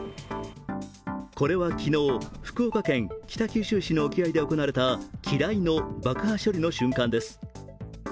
これは昨日、福岡県北九州市の沖合で行われた機雷の爆破処理の瞬間です。